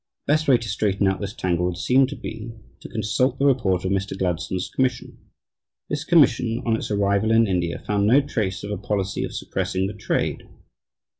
The best way to straighten out this tangle would seem to be to consult the report of Mr. Gladstone's commission. This commission, on its arrival in India, found no trace of a policy of suppressing the trade.